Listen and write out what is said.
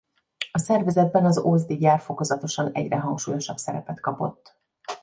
A szervezetben az ózdi gyár fokozatosan egyre hangsúlyosabb szerepet kapott.